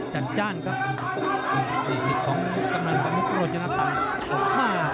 จัดจ้านครับ